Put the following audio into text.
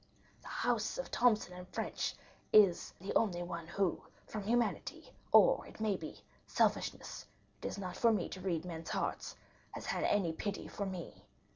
"The house of Thomson & French is the only one who, from humanity, or, it may be, selfishness—it is not for me to read men's hearts—has had any pity for me.